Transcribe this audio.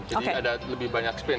jadi ada lebih banyak spin